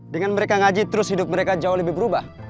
dengan mereka ngaji terus hidup mereka jauh lebih berubah